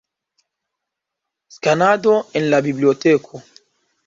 Skanado en la biblioteko.